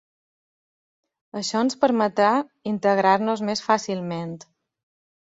Això ens permetrà integrar-nos més fàcilment.